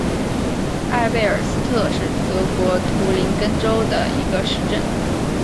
埃贝尔斯特是德国图林根州的一个市镇。